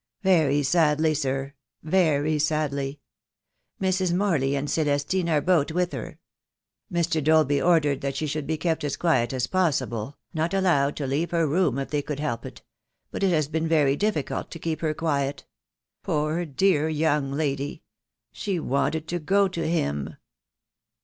"Very sadly, sir; very sadly. Mrs. Morley and Celestine are both with her. Mr. Dolby ordered that she should be kept as quiet as possible, not allowed to leave her room if they could help it, but it has been very difficult to keep her quiet. Poor dear young lady! She wanted to go to him."